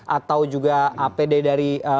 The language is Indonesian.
atau juga apd dari